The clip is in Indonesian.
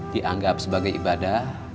dianggap sebagai ibadah